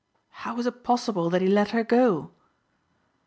How was it possible that he let her go?"